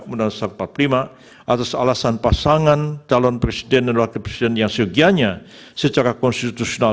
undang undang seribu sembilan ratus empat puluh lima atas alasan pasangan calon presiden dan wakil presiden yang sekianya secara konstitusional